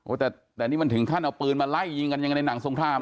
โอ้แต่แต่นี่มันถึงท่านเอาปืนมาไล่ยิงกันอย่างในหนังสงครามอะ